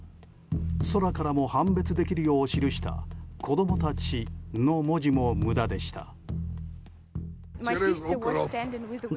空からも判別できるよう示した「子供たち」の文字も無駄でした。